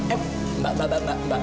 eh mbak mbak mbak